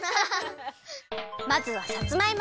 まずはさつまいも！